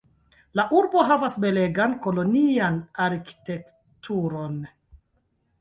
La urbo havas belegan kolonian arkitekturon.